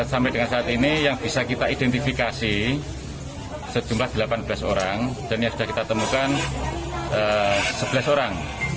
sampai dengan saat ini yang bisa kita identifikasi sejumlah delapan belas orang dan yang sudah kita temukan sebelas orang